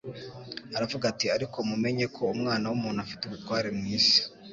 aravuga ati: "ariko mumenye ko Umwana w'umuntu afite ubutware mu isi